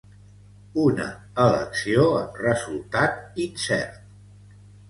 Una elecció amb resultat incert.